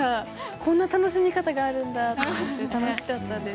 こんな楽しみ方があるんだと楽しかったです。